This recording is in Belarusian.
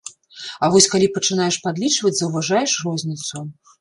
А вось калі пачынаеш падлічваць, заўважаеш розніцу.